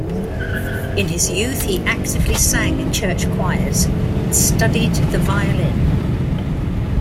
In his youth he actively sang in church choirs and studied the violin.